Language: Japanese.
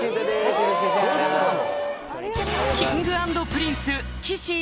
よろしくお願いします。